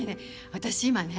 私今ね